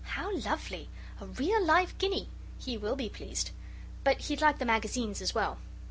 "How lovely! A real live guinea! He will be pleased. But he'd like the Magazines as well."